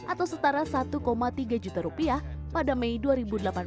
atau setara satu tiga juta rupiah pada mei dua ribu delapan belas